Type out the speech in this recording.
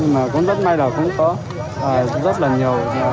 mà cũng rất may là cũng có rất là nhiều